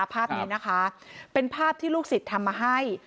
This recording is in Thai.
ภาพนี้นะคะเป็นภาพที่ลูกศิษย์ทำมาให้